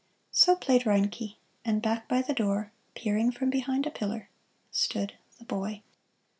So played Reinke, and back by the door, peering from behind a pillar, stood the boy.